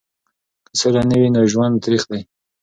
که سوله نه وي نو ژوند تریخ دی.